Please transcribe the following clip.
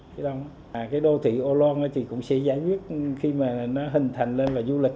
cái đô thị âu loan thì cũng sẽ giải quyết khi mà nó hình thành lên là du lịch